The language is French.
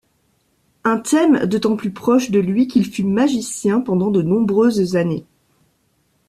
Un thème d'autant plus proche de lui qu'il fut magicien pendant de nombreuses années.